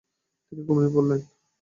তিনি ঘুমিয়ে পড়লেন।